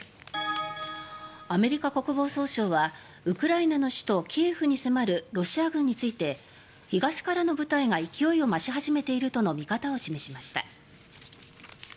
アメリカ国防総省はウクライナの首都キエフに迫るロシア軍について東からの部隊が勢いを増し始めているとの見方を示しました。